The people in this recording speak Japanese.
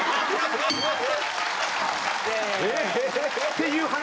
っていう話？